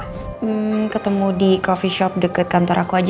hmm ketemu di coffee shop dekat kantor aku aja